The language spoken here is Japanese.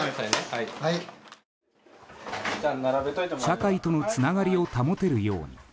社会とのつながりを保てるように。